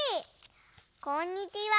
こんにちは。